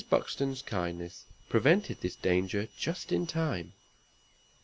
Buxton's kindness prevented this danger just in time.